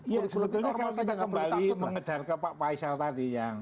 ya sebetulnya saya kembali mengejar ke pak faisal tadi